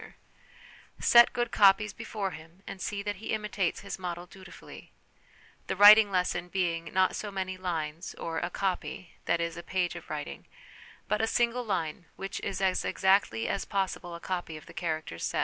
LESSONS AS INSTRUMENTS OF EDUCATION 235 Set good copies before him, and see that he imitates his model dutifully : the writing lesson being, not so many lines, or ' a copy ' that is, a page of writing but a single line which is as exactly as possible a copy of the characters set.